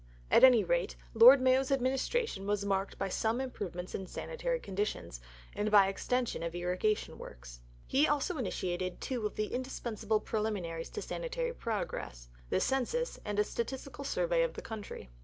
At any rate Lord Mayo's administration was marked by some improvement in sanitary conditions, and by extension of irrigation works. He also initiated two of the indispensable preliminaries to sanitary progress: the Census, and a statistical survey of the country.